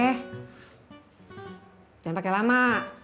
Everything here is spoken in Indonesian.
jangan pake lama